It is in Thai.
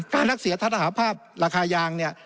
การรักษาเสถียรภาพราคายาง